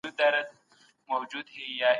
هغه اوس دواړه لري.